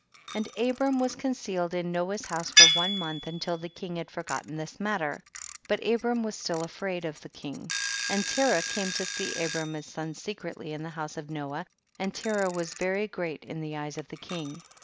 63. And Abram was concealed in Noah's house for one month until the king had forgotten this matter, but Abram was still afraid of the king ; and Terali came to see Abram liis son secretly in the house of Noah, and Terah was very great in the eyes of the king.